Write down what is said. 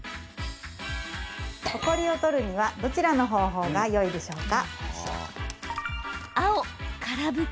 ほこりを取るにはどちらの方法がよいでしょうか。